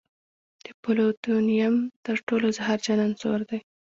د پلوتونیم تر ټولو زهرجن عنصر دی.